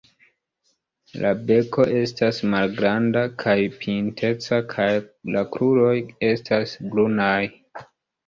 La beko estas malgranda kaj pinteca kaj la kruroj estas brunaj.